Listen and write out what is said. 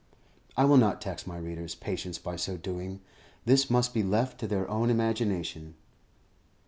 I will not tax my readers' patience by so doing; this must be left to their own imagination.